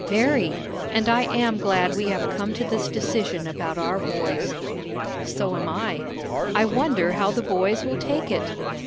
"Very. And I am glad we have come to this decision about our boys." "So am I. I wonder how the boys will take it."